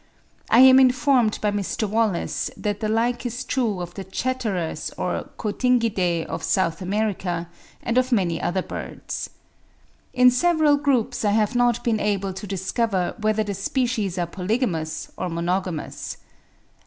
I am informed by Mr. Wallace that the like is true of the Chatterers or Cotingidae of South America, and of many other birds. In several groups I have not been able to discover whether the species are polygamous or monogamous.